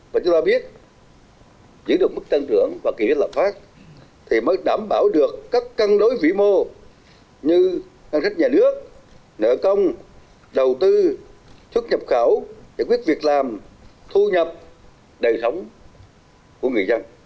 và chúng ta biết giữ được mức tăng trưởng và kỷ luật phát thì mới đảm bảo được các cân đối vĩ mô như ngân sách nhà nước nợ công đầu tư xuất nhập khẩu giải quyết việc làm thu nhập đời sống của người dân